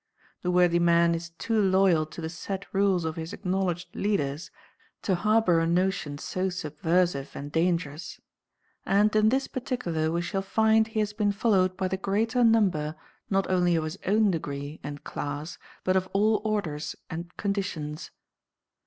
The worthy man is too loyal to the set rules of his acknowledged leaders, to harbour a notion so subversive and dangerous. And in this particular we shall find he has been followed by the greater number not only of his own degree and class but of all orders and conditions.